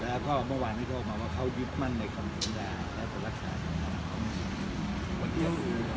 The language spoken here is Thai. และเขามันวานนี้โดดมาว่าเขายุบมั่นในความอุดยานะคะและประรักษาที่ให้ออกมา